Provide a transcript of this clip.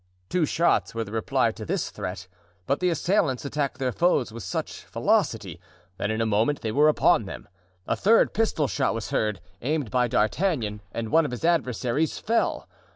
Two shots were the reply to this threat; but the assailants attacked their foes with such velocity that in a moment they were upon them; a third pistol shot was heard, aimed by D'Artagnan, and one of his adversaries fell.